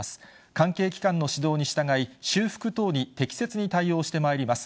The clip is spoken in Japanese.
関係機関の指導に従い、修復等に適切に対応してまいります。